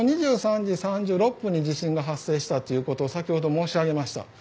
２３時３６分に地震が発生したことを先ほど申し上げました。